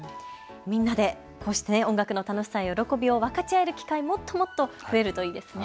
みんなでこうして音楽の楽しさ喜びを分かち合える機会もっともっと増えるといいですね。